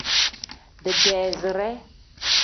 Digeezire.